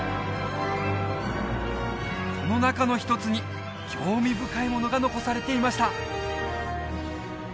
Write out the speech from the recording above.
その中の一つに興味深いものが残されていました